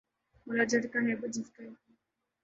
’مولا جٹ‘ کا ہے جس کی